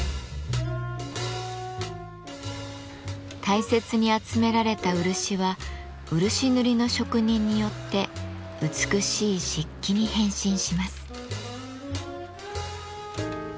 大切に集められた漆は漆塗りの職人によって美しい漆器に変身します。